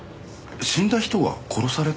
死んだ人が殺された？